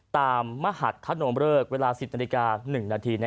ตามมหัฒนมเริกเวลา๑๐นาฬิกา๑นาที